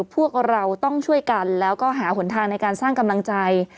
พวกเราต้องช่วยกันแล้วก็หาหนทางในการสร้างกำลังใจ